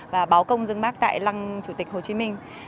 và báo công dân bác tại lăng chủ tịch hồ chí minh